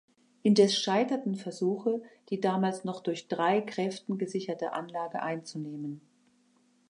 Indes scheiterten Versuche, die damals noch durch drei Gräften gesicherte Anlage einzunehmen.